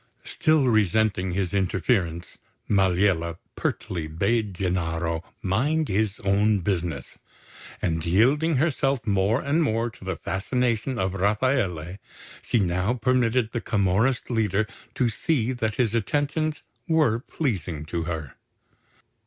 Still resenting his interference, Maliella pertly bade Gennaro mind his own business; and yielding herself more and more to the fascination of Rafaele, she now permitted the Camorrist leader to see that his attentions were pleasing to her.